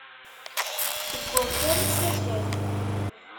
Seg wakal, s akal.